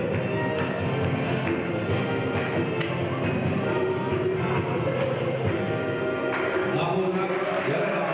แต่เดี๋ยวครับ